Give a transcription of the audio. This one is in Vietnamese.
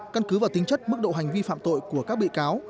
căn cứ vào tính chất mức độ hành vi phạm tội của các bị cáo